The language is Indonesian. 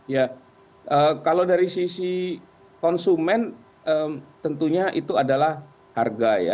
ya kalau dari sisi konsumen tentunya itu adalah harga ya